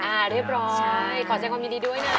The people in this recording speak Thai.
อ่าเรียบร้อยขอแสดงความยินดีด้วยนะ